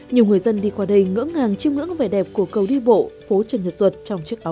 nhiều người dân đi qua đây ngỡ ngàng chiêm ngưỡng vẻ đẹp của cầu đi bộ phố trần nhật duật trong chiếc áo